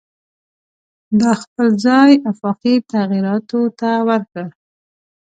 دا خپل ځای آفاقي تغییراتو ته ورکړ.